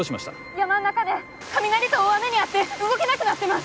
山ん中で雷と大雨に遭って動けなくなってます。